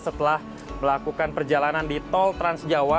setelah melakukan perjalanan di tol trans jawa